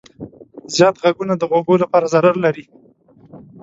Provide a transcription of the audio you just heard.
زیات غږونه د غوږو لپاره ضرر لري.